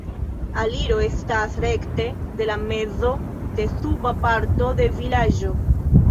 Aliro estas rekte de la mezo de suba parto de vilaĝo.